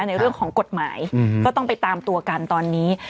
ในเรื่องของกฎหมายก็ต้องไปตามตัวกันตอนนี้